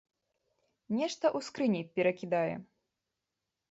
Нешта ў скрыні перакідае.